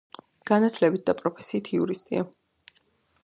განათლებით და პროფესიით იურისტია.